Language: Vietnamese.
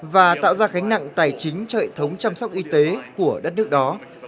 và tạo ra gánh nặng tài chính cho hệ thống chăm sóc y tế của đất nước đó